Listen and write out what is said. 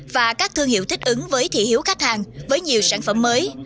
và các thương hiệu thích ứng với thị hiếu khách hàng với nhiều sản phẩm mới